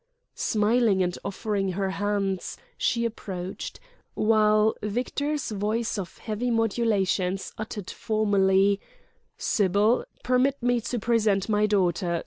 Smiling and offering her hands, she approached, while Victor's voice of heavy modulations uttered formally: "Sybil, permit me to present my daughter.